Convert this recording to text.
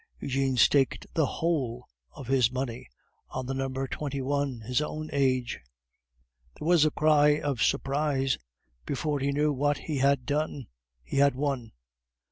Eugene staked the whole of his money on the number 21 (his own age). There was a cry of surprise; before he knew what he had done, he had won.